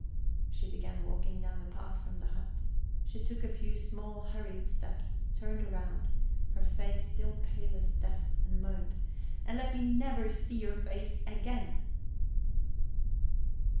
She began walking down the path from the hut; she took a few small hurried steps, turned round, her face still pale as death, and moaned: "And let me never see your face again."